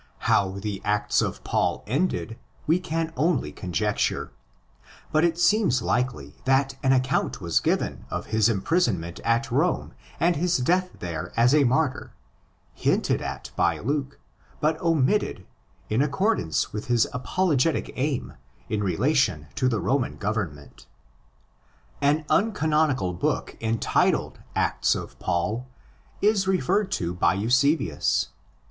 How the Acts of Paul ended we can only conjecture; but it seems likely that an account was given of his imprisonment at Rome and his death there as a martyr, hinted at by Luke, but omitted in accordance with his apologetic aim in relation to the Roman government.} An uncanonical book entitled Acts of Paul 18 referred to by Eusebius.